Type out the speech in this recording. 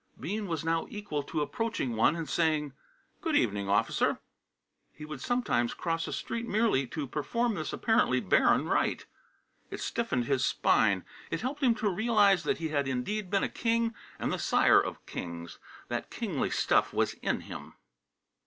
Bean was now equal to approaching one and saying, "Good evening, Officer!" He would sometimes cross a street merely to perform this apparently barren rite. It stiffened his spine. It helped him to realize that he had indeed been a king and the sire of kings; that kingly stuff was in him.